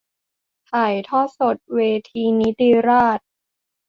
ถ่ายทอดสดเวทีนิติราษฎร์